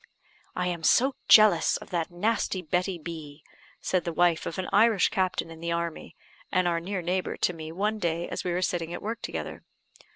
"I am so jealous of that nasty Betty B ," said the wife of an Irish captain in the army, and our near neighbour, to me, one day as we were sitting at work together.